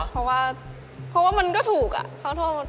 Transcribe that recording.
เพราะว่ามันก็ถูกข้าวโพ่น